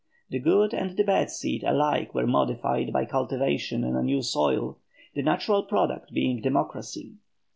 The good and the bad seed alike were modified by cultivation in a new soil, the natural product being democracy.